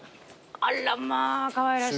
あらまあかわいらしい。